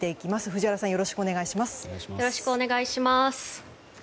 藤原さんよろしくお願いします。